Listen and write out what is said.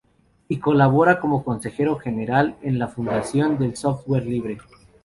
Y colabora como consejero general para la Fundación del Software Libre.